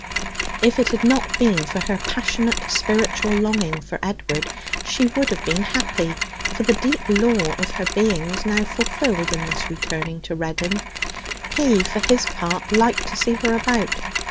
If it had not been for her passionate spiritual longing for Edward, she would have been happy, for the deep law of her being was now fulfilled in thus returning to Reddin. He, for his part, liked to see her about.